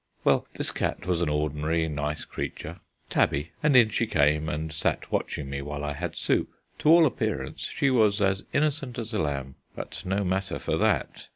Well, this cat was an ordinary nice creature, tabby, and in she came, and sat watching me while I had soup. To all appearance she was as innocent as a lamb but no matter for that.